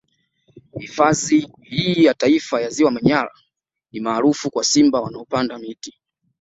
Hifadhi hii ya Taifa ya Ziwa Manyara ni maarufu kwa Simba wanaopanda miti